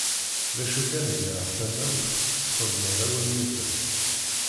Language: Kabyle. D acu kan greɣ tamawt tesxedmeḍ awalnuten.